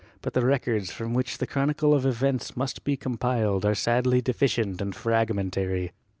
But the records from which the chronicle of events must be com piled are sadly deficient and fragmentary.